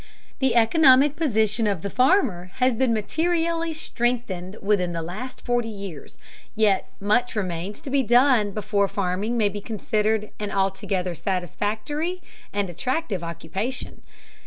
The economic position of the farmer has been materially strengthened within the last forty years, yet much remains to be done before farming may be considered an altogether satisfactory and attractive occupation.